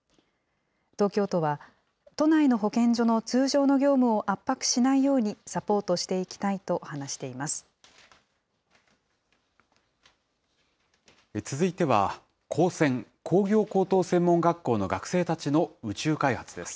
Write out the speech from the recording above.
東京都は、都内の保健所の通常の業務を圧迫しないようにサポートしていきた続いては、高専・工業高等専門学校の学生たちの宇宙開発です。